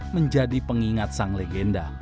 menjadi pengingat sang legenda